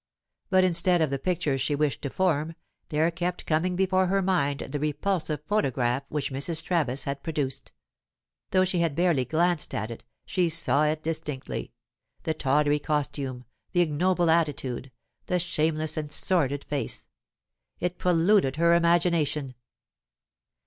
But instead of the pictures she wished to form, there kept coming before her mind the repulsive photograph which Mrs. Travis had produced. Though she had barely glanced at it, she saw it distinctly the tawdry costume, the ignoble attitude, the shameless and sordid face. It polluted her imagination.